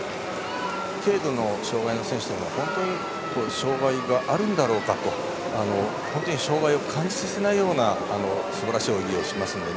軽度の障がいの選手は本当に障がいがあるんだろうかと障がいを感じさせないようなすばらしい泳ぎをしますので。